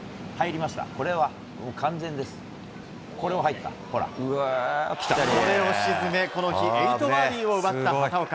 これを沈め、この日８バーディーを奪った畑岡。